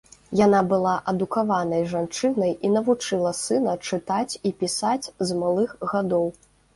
Яна была адукаванай жанчынай і навучыла сына чытаць і пісаць з малых гадоў.